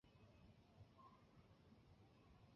元禄赤穗事件中赤穗浪士四十七武士的头目。